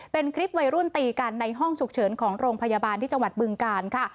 เป็นคลิปวัยรุ่นตีกันในห้องฉุกเฉินของโรงพยาบาลที่จังหวัดบึงกาลค่ะ